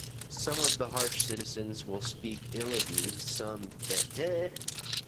Some of the harsh citizens will speak ill of you, some bette.